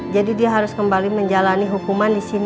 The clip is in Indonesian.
jadi dia harus kembali menjalani hukum